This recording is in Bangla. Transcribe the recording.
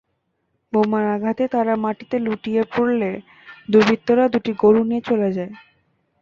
বোমার আঘাতে তাঁরা মাটিতে লুটিয়ে পড়লে দুর্বৃত্তরা দুটি গরু নিয়ে চলে যায়।